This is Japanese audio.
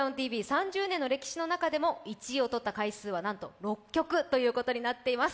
３０年の歴史の中で１位をとった回数はなんと６曲ということになっています。